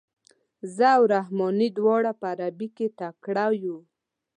زه او رحماني دواړه په عربي کې تکړه یو.